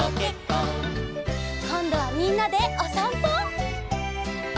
こんどはみんなでおさんぽ！